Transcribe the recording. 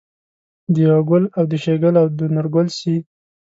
دېوه ګل او د شیګل او د نورګل سي